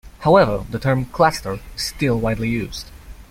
However the term cluster is still widely used.